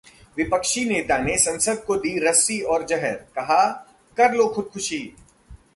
विपक्षी नेता ने सांसद को दी रस्सी और जहर, कहा- कर लो खुदकुशी